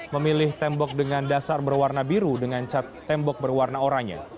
memilih tembok dengan dasar berwarna biru dengan cat tembok berwarna oranya